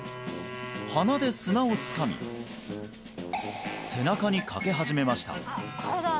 鼻で砂をつかみ背中にかけ始めました